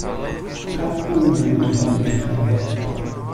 فقط اون میدونه تو دلم چه خبره